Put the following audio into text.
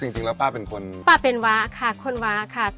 ตอนเป็นสาวค่ะ